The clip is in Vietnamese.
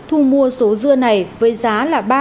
thu mua số dưa này với giá là